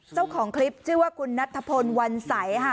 เจ้าของคลิปชื่อว่าคุณนัทธพลวันใสค่ะ